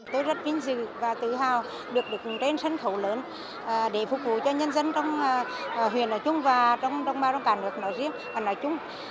tôi rất kinh dự và tự hào được được truyền sân khẩu lớn để phục vụ cho nhân dân trong huyện ở chung và trong bao gồm cả nước nói riêng và nói chung